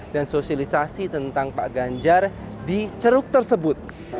dan sosialisasi tentang pak ganjar di ceruk tersebut